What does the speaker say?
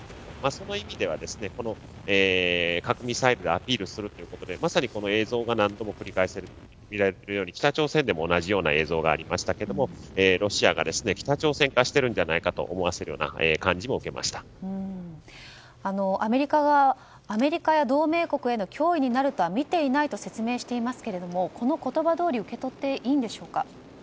その意味では核ミサイルでアピールするということでまさにこの映像が何度も繰り返されているように北朝鮮でも同じような映像がありましたがロシアが北朝鮮化しているんじゃないかと思わせるようなアメリカや同盟国への脅威になるとはみていないと説明していますがこの言葉どおり受け取っていいんでしょうか。